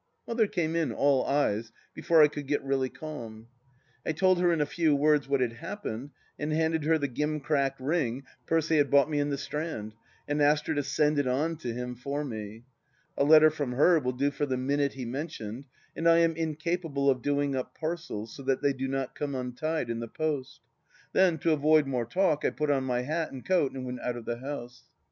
Mother came in, all eyes, before I could get really calm. I told her in a few words what had happened, and handed her the gimcrack ring Percy had bought me in the Strand, and asked her to send it on to him for me. A letter from her will do for the Minute he mentioned, and I am incapable of doing up parcels so that they do not come untied in the post. Then, to avoid more talk, I put on my hat and coat and went out of the house.